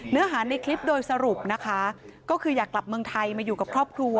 เนื้อหาในคลิปโดยสรุปนะคะก็คืออยากกลับเมืองไทยมาอยู่กับครอบครัว